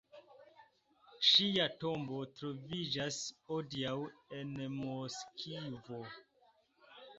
Ŝia tombo troviĝas hodiaŭ en Moskvo.